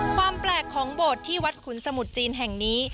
ความแปลกของโบสถ์ที่วัดขุนสมุทรจีนแห่งนี้